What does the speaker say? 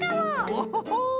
オホホ！